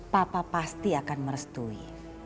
papa pasti akan merestui